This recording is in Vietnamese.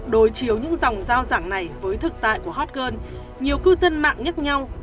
đối chiếu những dòng giao giảng này với thực tại của hot girl nhiều cư dân mạng nhắc nhau